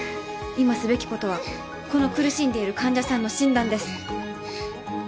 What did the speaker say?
今すべきことはこの苦しんでいる患者さんの診断です。